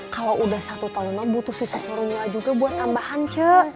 kalau udah satu tahun butuh susu serumnya juga buat tambahan ce